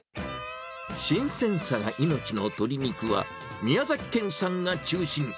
新鮮さが命の鶏肉は、宮崎県産が中心。